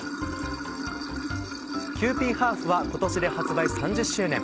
「キユーピーハーフ」は今年で発売３０周年。